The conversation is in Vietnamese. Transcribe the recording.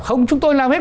không chúng tôi làm hết